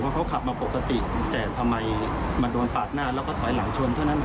เขาขับมาปกติแต่ทำไมมาโดนปาดหน้าแล้วก็ถอยหลังชนเท่านั้น